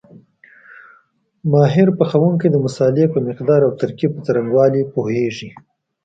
ماهر پخوونکي د مسالې په مقدار او ترکیب په څرنګوالي پوهېږي.